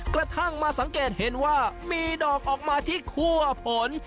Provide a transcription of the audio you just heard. กระทั่งมาสังเกตเห็นว่ามีดอกออกมาที่คั่วผล